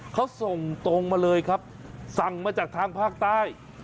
เขาส่งตรงมาเลยครับสั่งมาจากทางภาคใต้